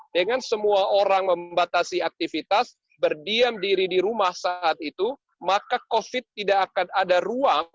dengan semua orang membatasi aktivitas berdiam diri di rumah saat itu maka covid tidak akan ada ruang